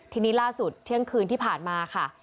ทีนี้ล่าสุดเที่ยงคืนที่ผ่านมาค่ะ